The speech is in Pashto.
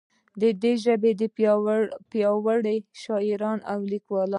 دی د پښتو ژبې پیاوړی شاعر او لیکوال دی.